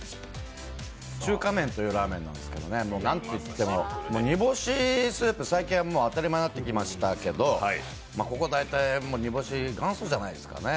中華麺というラーメンなんですけどなんといっても煮干しスープ、最近は当たり前になってきましたけど、ここは煮干し、元祖じゃないですかね。